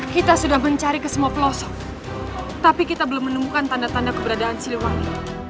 kita sudah mencari ke semua pelosok tapi kita belum menemukan tanda tanda keberadaan siliwangi